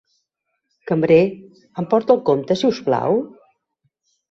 Cambrer, em porta el compte, si us plau?